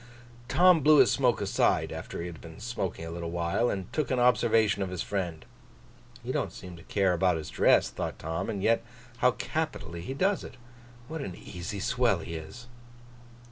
Tom blew his smoke aside, after he had been smoking a little while, and took an observation of his friend. 'He don't seem to care about his dress,' thought Tom, 'and yet how capitally he does it. What an easy swell he is!